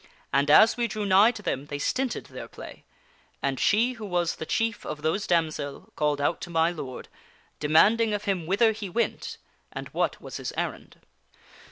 And as we drew nigh to them they stinted their play, and she who was the chief of those damsel called out to my lord, demanding of him whither he went and what was his errand.